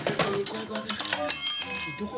どこ？